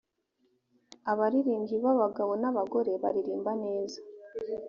abaririmbyi b ‘abagabo n’ abagore baririmba neza.